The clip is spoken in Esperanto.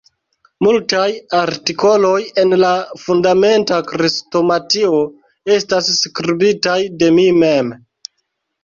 Multaj artikoloj en la Fundamenta Krestomatio estas skribitaj de mi mem.